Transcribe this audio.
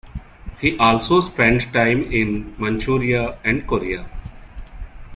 He also spent time in Manchuria and Korea.